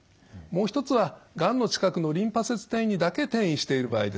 もう一つはがんの近くのリンパ節にだけ転移している場合です。